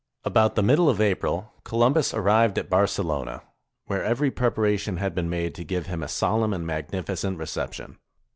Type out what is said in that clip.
About the middle of April, Columbus arrived at Bar celona, where every preparation had been made to give him a solemn and magnificent reception.